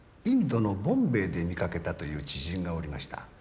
インドのボンベイで見かけたという知人がおりました。